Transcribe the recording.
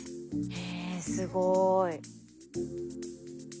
へえすごい。